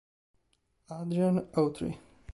Adrian Autry